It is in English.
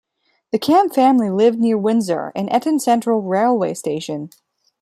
The Camm family lived near Windsor and Eton Central railway station.